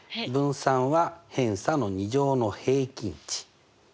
分散は偏差の２乗の平均値。